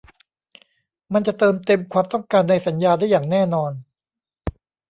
มันจะเติมเต็มความต้องการในสัญญาได้อย่างแน่นอน